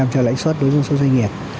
cho lãnh xuất đối với số doanh nghiệp